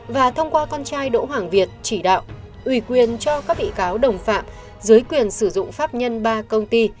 và thông qua con trai đỗ hoàng việt chỉ đạo ủy quyền cho các bị cáo đồng phạm dưới quyền sử dụng pháp nhân ba công ty